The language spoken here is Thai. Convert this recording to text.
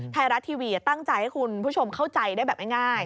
ไทยรัฐทีวีตั้งใจให้คุณผู้ชมเข้าใจได้แบบง่าย